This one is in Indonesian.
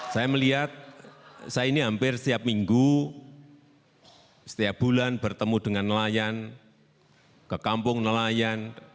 saya melihat saya ini hampir setiap minggu setiap bulan bertemu dengan nelayan ke kampung nelayan